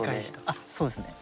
あっそうですね。